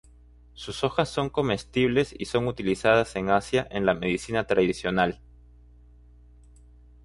Sus hojas son comestibles y son utilizadas en Asia en la medicina tradicional.